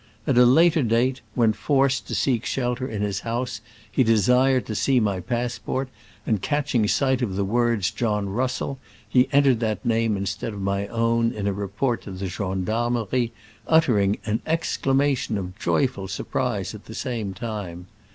At a later date, when forced to seek shelter in his house, he desired to see my passport, and catching sight of the words John Russell, he entered that name instead of my own in a report to the gendarmerie, uttering an exclama tion of joyful surprise at the same time.